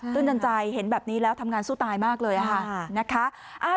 ตื่นตันใจเห็นแบบนี้แล้วทำงานสู้ตายมากเลยค่ะนะคะ